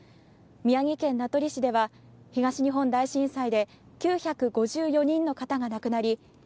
宮城県名取市では東日本大震災で９５４人の方が亡くなり